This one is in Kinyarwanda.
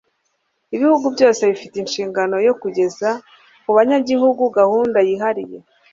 ibihugu byose bifite inshingano yo kugeza kubanyagihugu gahunda yihariye